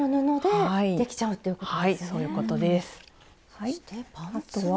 そしてパンツは？